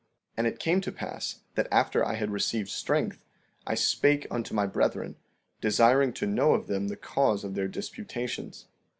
15:6 And it came to pass that after I had received strength I spake unto my brethren, desiring to know of them the cause of their disputations.